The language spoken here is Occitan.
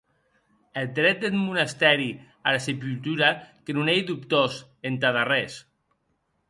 Eth dret deth monastèri ara sepultura que non ei dobtós entad arrés.